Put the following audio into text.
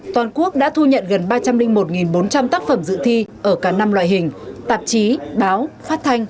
toàn quốc đã thu nhận gần ba trăm linh một bốn trăm linh tác phẩm dự thi ở cả năm loại hình tạp chí báo phát thanh